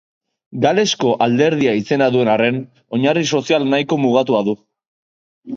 Galesko Alderdi izena duen arren, oinarri sozial nahiko mugatua du.